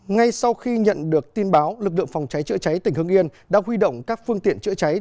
ngay sau khi nhận được tin báo lực lượng phòng cháy chữa cháy tỉnh hương yên đã huy động các phương tiện chữa cháy